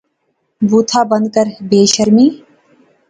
بوتھا بند کر، بے شرمی